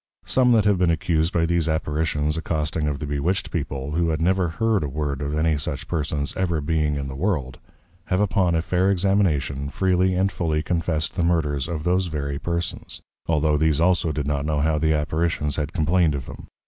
Some that have been accused by these Apparitions accosting of the Bewitched People, who had never heard a word of any such Persons ever being in the World, have upon a fair Examination, freely and fully confessed the Murthers of those very Persons, altho' these also did not know how the Apparitions had complained of them.